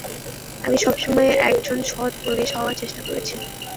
আমি সবসময় একজন সৎ পুলিশ হবার চেষ্টা করেছি।